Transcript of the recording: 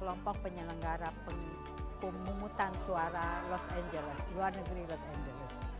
kelompok penyelenggara pemungutan suara los angeles luar negeri los angeles